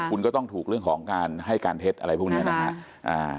คุณก็ต้องถูกเรื่องของการให้การเท็จอะไรพวกนี้นะครับ